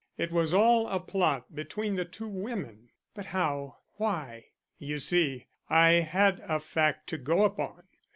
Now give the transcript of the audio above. It was all a plot between the two women." "But how why " "You see, I had a fact to go upon.